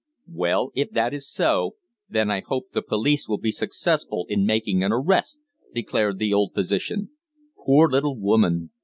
"Well, if that is so, then I hope the police will be successful in making an arrest," declared the old physician. "Poor little woman!